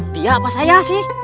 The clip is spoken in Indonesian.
dia apa saya sih